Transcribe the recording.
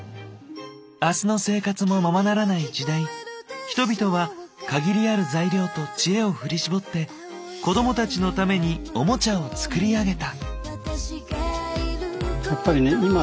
明日の生活もままならない時代人々は限りある材料と知恵を振り絞って子どもたちのためにオモチャを作り上げた。